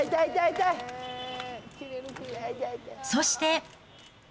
そして。